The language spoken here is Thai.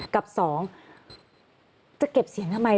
กับ๒จะเก็บเสียงทำไม